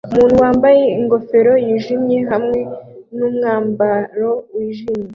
Umuntu wambaye ingofero yijimye hamwe nu mwambaro wijimye